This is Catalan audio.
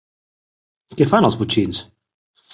Què fan els botxins?